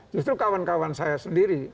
justru kawan kawan saya sendiri